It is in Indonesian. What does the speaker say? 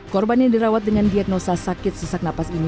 korban yang dirawat dengan diagnosa sakit sesak napas ini